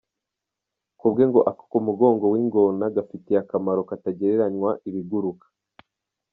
Kubwe ngo ako kumugongo wingona gafitiye akamaro katagereranywa ibiguruka.